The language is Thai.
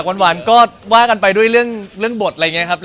ก็ไหว้กันไปด้วยเรื่องบทน่ะครับ